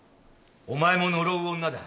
お前も呪う女だ。